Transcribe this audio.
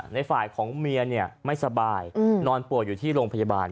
ในฝ่ายของเมียไม่สบายนอนป่วยอยู่ที่โรงพยาบาล